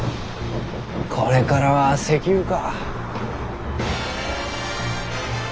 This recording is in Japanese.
これからは石油か。